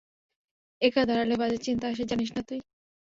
একা দাঁড়ালে বাজে চিন্তা আসে, জানিস না তুই।